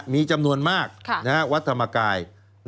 มีจำนวนมากวัดธรรมกาย